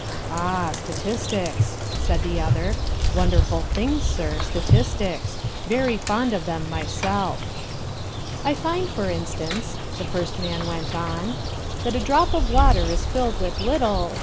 "Ah, statistics" said the other; "wonderful things, sir, statistics; very fond of them myself." "I find, for instance," the first man went on, "that a drop of water is filled with little